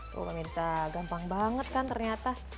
tuh pemirsa gampang banget kan ternyata